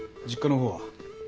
実家の方は？